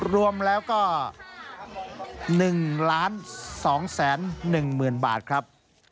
รวมแล้วก็๑๒๑๐๐๐บาทครับ